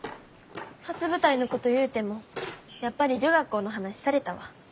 初舞台のこと言うてもやっぱり女学校の話されたわ。